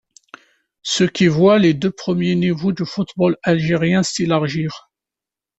Ce qui voit les deux premiers niveaux du football algérien s'élargir.